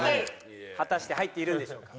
果たして入っているんでしょうか？